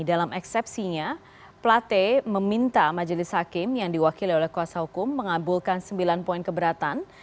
dalam eksepsinya plate meminta majelis hakim yang diwakili oleh kuasa hukum mengabulkan sembilan poin keberatan